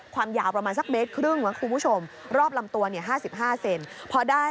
ความยาวประมาณสักเมตรครึ่งนะคุณผู้ชมรอบลำตัวเนี่ย๕๕เซนพอได้